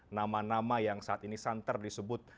nama nama yang saat ini santer disebut